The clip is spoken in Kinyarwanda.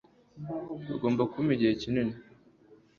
Ugomba kumpa igihe kinini